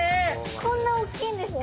こんなおっきいんですか？